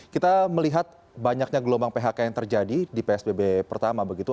kita melihat banyaknya gelombang phk yang terjadi di psbb pertama begitu